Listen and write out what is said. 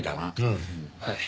はい。